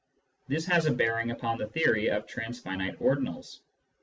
This has a bearing upon the theory of transfinite ordinals.